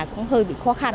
cũng hơi bị khó khăn